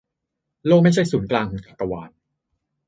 โลกไม่ใช่ศูนย์กลางของจักรวาล